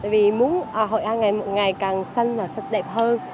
vì muốn hội an ngày càng xanh và sạch đẹp hơn